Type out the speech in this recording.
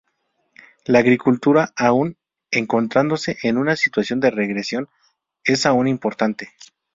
La agricultura, aun encontrándose en una situación de regresión, es aún importante.